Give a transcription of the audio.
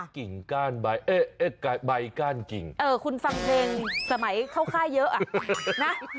กิ่งก้านใบก้านกิ่งคุณฟังเพลงสมัยเข้าค่าเยอะ